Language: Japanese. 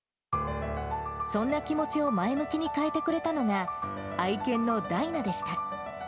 そんな気持ちを前向きに変えてくれたのが、愛犬のダイナでした。